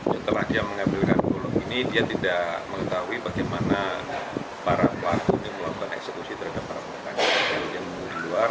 setelah dia mengambilkan golok ini dia tidak mengetahui bagaimana para pelakon yang melakukan eksekusi terhadap para pelakon yang mau keluar